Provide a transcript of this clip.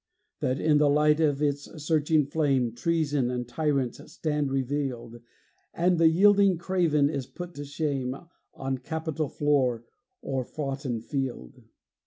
That in the light of its searching flame Treason and tyrants stand revealed, And the yielding craven is put to shame On Capitol floor or foughten field?